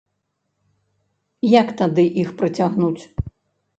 Як тады іх прыцягнуць?